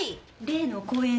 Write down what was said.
例の公園